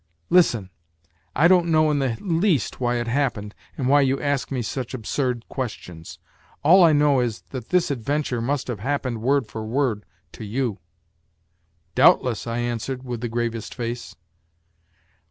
" Listen ; I don't know in the least why it happened and why you ask me such absurd questions ; all I know is, that this adventure must have happened word for word to you." " Doubtless," I answered, with the gravest face.